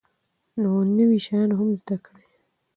خو نوي شیان هم زده کړئ.